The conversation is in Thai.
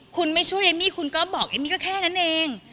คุณไม่ช่วยเอมมี่คุณก็บอกเอมมี่ก็แค่นั้นเอง